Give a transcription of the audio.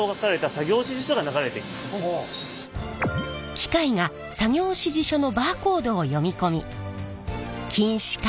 機械が作業指示書のバーコードを読み込み近視か